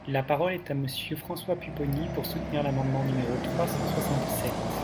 La parole est à Monsieur François Pupponi, pour soutenir l’amendement numéro trois cent soixante-sept.